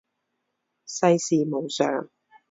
世事无常